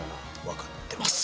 分かってます。